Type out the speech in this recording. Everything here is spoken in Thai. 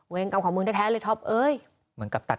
เวงกรรมของมึงแท้เลยท็อปเอ๊ย